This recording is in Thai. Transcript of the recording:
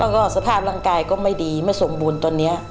แล้วก็สภาพร่างกายก็ไม่ดีไม่สมบูรณ์ตอนนี้